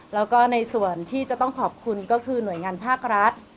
แล้วก็ในส่วนที่จะต้องขอบคุณก็คือหน่วยงานภาครัฐ